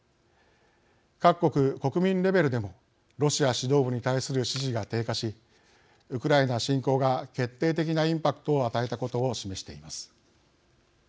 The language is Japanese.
各国国民レベルでもロシア指導部に対する支持が低下しウクライナ侵攻が決定的なインパクトを与えたことを示しています。